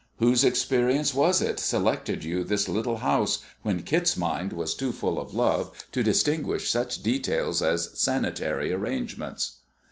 Whose experience was it selected you this little house, when Kit's mind was too full of love to distinguish such details as sanitary arrangements?"